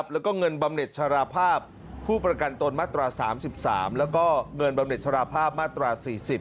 และเงินบำเหน็จฉราภาพผู้ประกันตนมาตรา๓๓และเงินบำเหน็จฉราภาพมาตรา๔๐